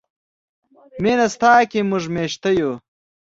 مینه ستا کې موږ میشته یو.